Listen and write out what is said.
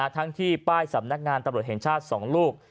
ทั้งที่ป้ายสำนักงานตำรวจแห่งชาติ๒ลูก